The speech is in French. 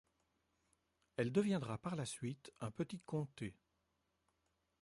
Elle deviendra par la suite un petit comté.